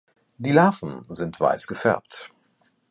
Die Larven sind weiß gefärbt.